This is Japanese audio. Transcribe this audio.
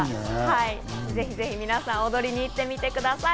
ぜひぜひ皆さん、踊りに行ってみてください。